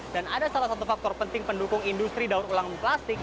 dan ada salah satu faktor penting pendukung industri daur ulang plastik